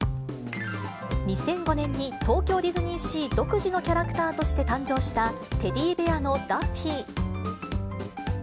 ２００５年に東京ディズニーシー独自のキャラクターとして誕生したテディベアのダッフィー。